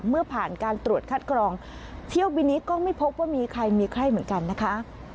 เมื่อผ่านการตรวจคัดกรองเที่ยวบินนี้ก็ไม่พบว่ามีใครมีไข้เหมือนกันนะคะ